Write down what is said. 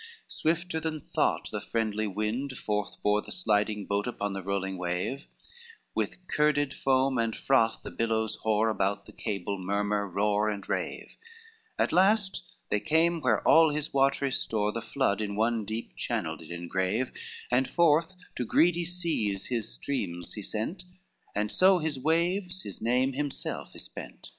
VIII Swifter than thought the friendly wind forth bore The sliding boat upon the rolling wave, With curded foam and froth the billows hoar About the cable murmur roar and rave; At last they came where all his watery store The flood in one deep channel did engrave, And forth to greedy seas his streams he sent, And so his waves, his name, himself he spent.